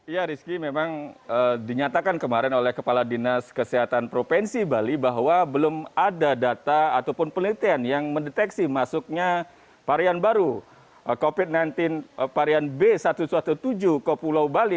ya rizky memang dinyatakan kemarin oleh kepala dinas kesehatan provinsi bali bahwa belum ada data ataupun penelitian yang mendeteksi masuknya varian baru covid sembilan belas varian b satu satu tujuh ke pulau bali